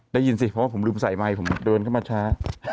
ได้ยินสิเพราะว่าผมลืมใส่ไมค์ผมเดินเข้ามาช้า